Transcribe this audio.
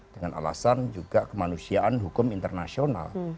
dengan alasan juga kemanusiaan hukum internasional